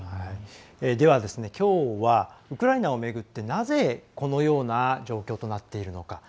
では、きょうはウクライナを巡ってなぜ、このような状況となっているのか。